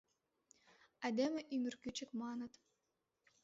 Айдеме ӱмыр кӱчык, маныт.